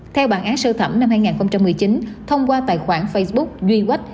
theo bản án sơ thẩm năm hai nghìn một mươi chín thông qua tài khoản facebook duy quách